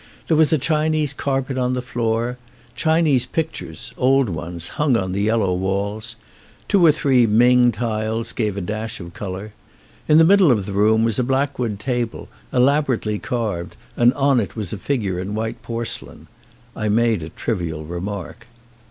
There was a Chinese carpet on the floor. Chinese pic tures, old ones, hung on the yellow walls. Two or three Ming tiles gave a dash of colour. In the middle of the room was a blackwood table, elabor ately carved, and on it was a figure in white porce lain. I made a trivial remark.